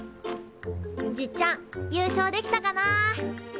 じっちゃん優勝できたかな？